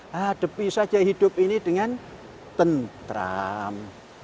hadapi saja hidup ini dengan tentram